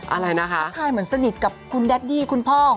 อะไรนะคะทักทายเหมือนสนิทกับคุณแดดดี้คุณพ่อ